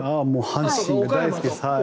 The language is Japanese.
阪神大好きです。